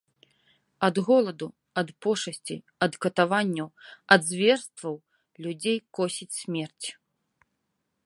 Ад голаду, ад пошасцей, ад катаванняў, ад зверстваў людзей косіць смерць.